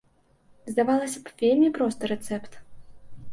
Здавалася б, вельмі просты рэцэпт.